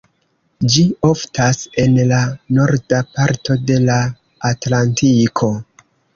Ĝi oftas en la norda parto de la atlantiko.